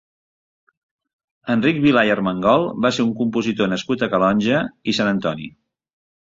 Enric Vilà i Armengol va ser un compositor nascut a Calonge i Sant Antoni.